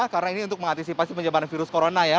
karena ini untuk mengantisipasi penyebaran virus corona ya